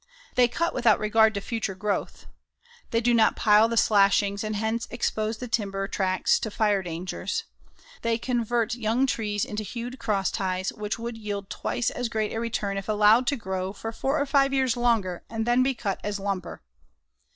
They cut without regard to future growth. They do not pile the slashings and hence expose the timber tracts to fire dangers. They convert young trees into hewed crossties which would yield twice as great a return if allowed to grow for four or five years longer and then be cut as lumber.